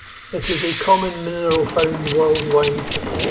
It is a common mineral, found worldwide.